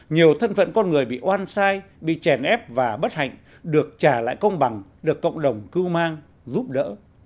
nhiều thân phận con người bị oan sai bị chèn ép và bất hạnh được trả lại công bằng được cộng đồng cưu mang giúp đỡ